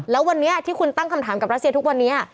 แล้ววันนี้ที่คุณตั้งคำถามกับรัสเซียทุกวันนี้